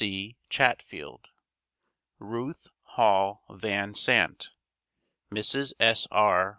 C. Chatfield) RUTH HALL VAN SANT (Mrs. S. R.